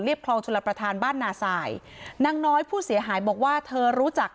คลองชลประธานบ้านนาสายนางน้อยผู้เสียหายบอกว่าเธอรู้จัก